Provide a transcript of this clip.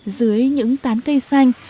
dưới những tán cây xanh